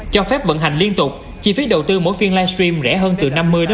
cho phép vận hành liên tục chi phí đầu tư mỗi phiên live stream rẻ hơn từ năm mươi bảy mươi